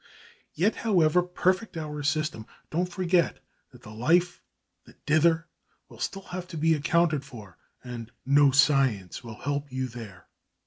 Yet, however perfect your system, don't forget that the life, the "dither," will still have to be accounted for, and no science will help you here.